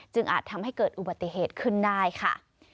อาจทำให้เกิดอุบัติเหตุขึ้นได้ค่ะ